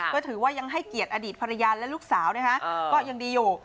ก็ถือว่ายังให้เกียรติอดีตภรรยาและลูกสาวก็ยังดีอยู่